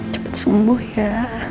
cepat sembuh ya